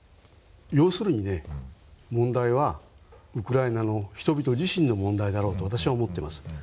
要するにね問題はウクライナの人々自身の問題だろうと私は思ってます。